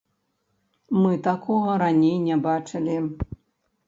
Мы такога раней не бачылі.